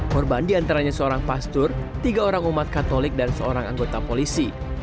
korban diantaranya seorang pastur tiga orang umat katolik dan seorang anggota polisi